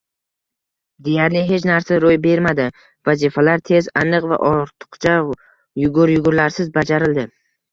Deyarli hech narsa ro`y bermadi, vazifalar tez, aniq va ortiqcha yugur-yugurlarsiz bajarildi